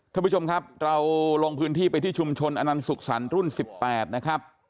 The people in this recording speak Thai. ท่านผู้ชมครับเราลงพื้นที่ไปที่ชุมชนอนันสุขสรรค์รุ่น๑๘นะครับ